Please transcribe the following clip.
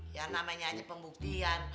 ya namanya aja pembuktian